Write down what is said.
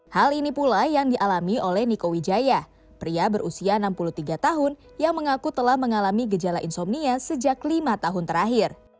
hal ini pula yang dialami oleh niko wijaya pria berusia enam puluh tiga tahun yang mengaku telah mengalami gejala insomnia sejak lima tahun terakhir